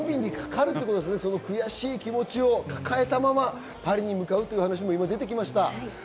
悔しい気持ちを抱えたままパリに向かうという話も出てきました。